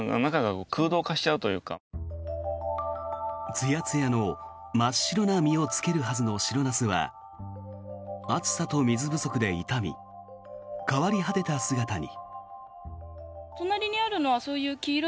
つやつやの真っ白な実をつけるはずの白ナスは暑さと水不足で傷み変わり果てた姿に。